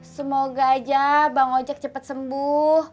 semoga aja bang ojek cepat sembuh